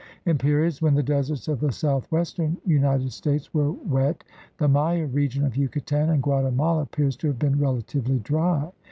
In periods when the deserts of the southwestern United States were wet, the !Maya region of Yucatan and Guatemala appears to have been relatively dry.